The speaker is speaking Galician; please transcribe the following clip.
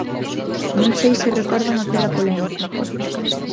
Non sei se recordan aquela polémica.